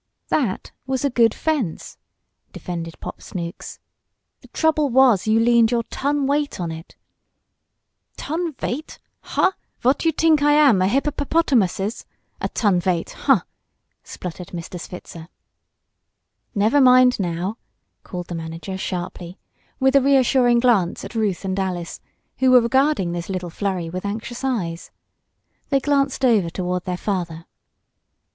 "That was a good fence!" defended Pop Snooks. "The trouble was you leaned your ton weight on it." "Ton veight! Huh! Vot you tink I am? A hipperperpotamusses? A ton veight huh!" spluttered Mr. Switzer. "Never mind now!" called the manager sharply, with a reassuring glance at Ruth and Alice, who were regarding this little flurry with anxious eyes. They glanced over toward their father.